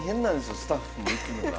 スタッフも行くのが。